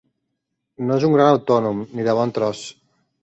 No és un gran autònom, ni de bon tros!